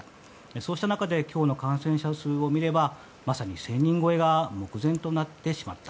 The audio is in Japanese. そうした中で今日の感染者数を見ればまさに１０００人超えが目前となってしまった。